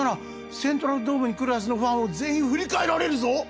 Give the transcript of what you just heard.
セントラルドームに来るはずのファンを全員振り替えられるぞ！